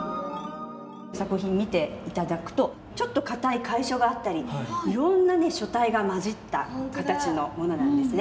作品見て頂くとちょっと硬い楷書があったりいろんな書体が交じった形のものなんですね。